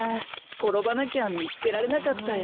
ころばなきゃみつけられなかったよ。